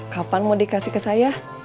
kapan mau dikasih ke saya